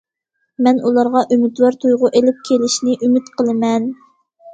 مەن ئۇلارغا ئۈمىدۋار تۇيغۇ ئېلىپ كېلىشنى ئۈمىد قىلىمەن.